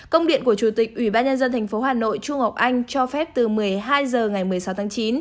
công điện của chủ tịch ủy ban nhân dân thành phố hà nội trung ngọc anh cho phép từ một mươi hai h ngày một mươi sáu tháng chín